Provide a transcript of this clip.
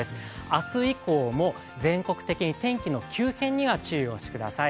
明日以降も、全国的に天気の急変には気をつけてください。